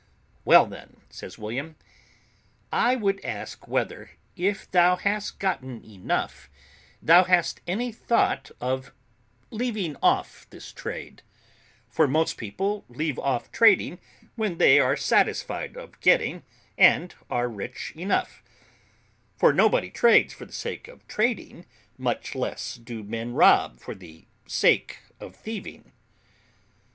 "Well, then," says William, "I would ask whether, if thou hast gotten enough, thou hast any thought of leaving off this trade; for most people leave off trading when they are satisfied of getting, and are rich enough; for nobody trades for the sake of trading; much less do men rob for the sake of thieving."